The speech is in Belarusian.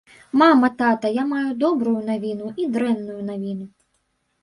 Мама, тата, я маю добрую навіну і дрэнную навіну.